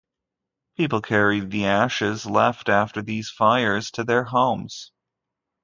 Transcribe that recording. People carried the ashes left after these fires to their homes.